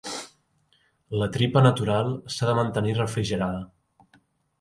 La tripa natural s'ha de mantenir refrigerada.